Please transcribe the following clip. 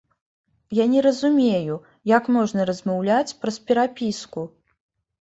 Я не разумею, як можна размаўляць праз перапіску.